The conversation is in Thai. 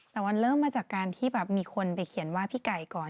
แต่มันเริ่มมาจากการที่แบบมีคนไปเขียนว่าพี่ไก่ก่อน